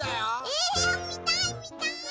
えっみたいみたい！